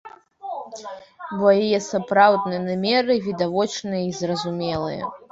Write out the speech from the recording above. Бо яе сапраўдныя намеры відавочныя і зразумелыя.